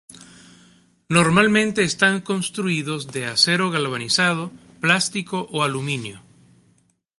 Normalmente están construidas de acero galvanizado, plástico o aluminio.